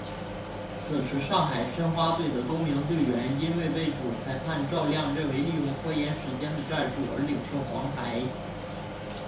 此时上海申花队的多名队员因为被主裁判赵亮认为利用拖延时间的战术而领受黄牌。